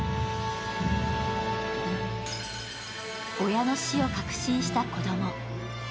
親の死を確信した子供。